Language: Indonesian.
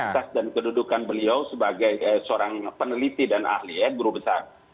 dari kapasitas dan kedudukan beliau sebagai seorang peneliti dan ahli ya buru besar